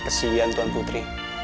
kesian tuan putri